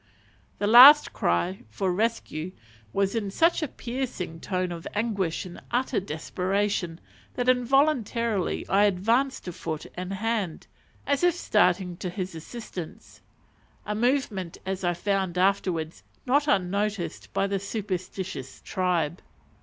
_" The last cry for "rescue" was in such a piercing tone of anguish and utter desperation, that involuntarily I advanced a foot and hand, as if starting to his assistance; a movement, as I found afterwards, not unnoticed by the superstitious tribe.